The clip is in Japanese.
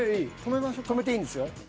止めていいんですよ。